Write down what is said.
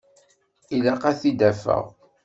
Ilaq ad t-id-afeɣ.